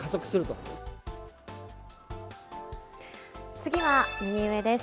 次は右上です。